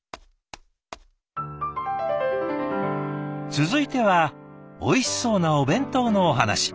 続いてはおいしそうなお弁当のお話。